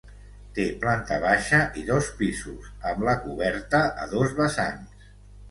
Té planta baixa i dos pisos, amb la coberta a dos vessants.